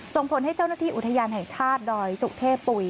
ส่งผลให้เจ้าหน้าที่อุทยานแห่งชาติดอยสุเทพปุ๋ย